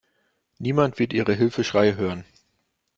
Niemand wird Ihre Hilfeschreie hören.